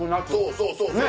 そうそうそう。